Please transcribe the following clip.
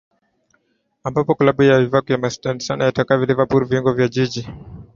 ambapo klabu ya iyak armsterdam imeitaka liverpool vijogoo vya jiji